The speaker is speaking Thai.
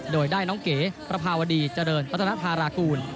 โดยได้น้องเก๋ประภาวดีเจริญรัฐนภารากูล